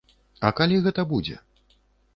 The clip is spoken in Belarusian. А калі гэта будзе?